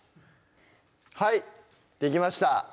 はいできました